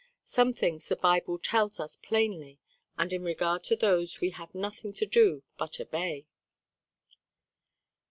Some things the Bible tells us plainly, and in regard to those we have nothing to do but obey."